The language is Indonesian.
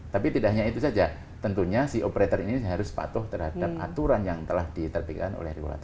tapi tidak hanya itu saja tentunya si operator ini harus patuh terhadap aturan yang telah diterbitkan oleh regulator